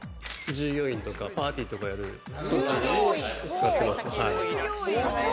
従業員とか、パーティーやるときに使ってます。